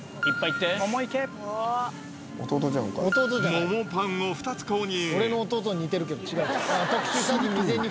桃パンを２つ購入。